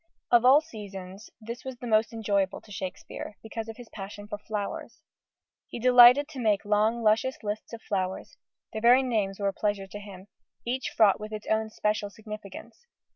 Of all seasons, this was the most enjoyable to Shakespeare because of his passion for flowers. He delighted to make long luscious lists of flowers their very names were a pleasure to him, each fraught with its own special significance.